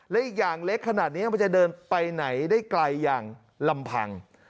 และอีกอย่างเล็กขนาดนี้มันจะเดินไปไหนได้ไกลอย่างลำพัง